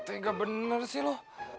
enggak bener sih lu